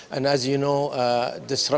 dan seperti anda tahu